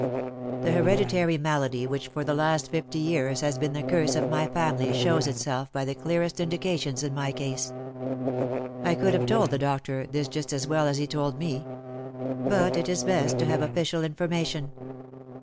The hereditary malady which for the last fifty years has been the curse of my family shows itself by the clearest indications in my case. I could have told the doctor this just as well as he told me ; but it is best to have official information.